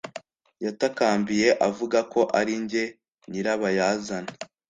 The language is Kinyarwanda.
Yatakambiye avuga ko ari njye nyirabayazana